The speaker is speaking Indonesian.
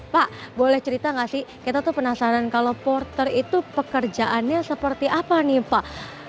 pak boleh cerita nggak sih kita tuh penasaran kalau porter itu pekerjaannya seperti apa nih pak